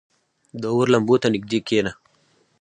• د اور لمبو ته نږدې کښېنه.